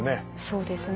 そうですね。